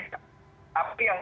apa yang disaksikan